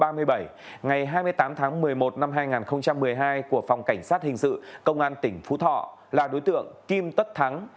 ngày hai mươi tám tháng một mươi một năm hai nghìn một mươi hai của phòng cảnh sát hình sự công an tỉnh phú thọ là đối tượng kim tất thắng